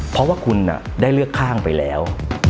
เพราะว่าคุณได้เลือกข้างไปแล้ว